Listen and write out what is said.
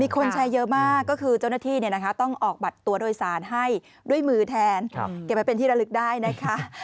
คนแชร์เยอะมากก็คือเจ้าหน้าที่ต้องออกบัตรตัวโดยสารให้ด้วยมือแทนเก็บไว้เป็นที่ระลึกได้นะคะ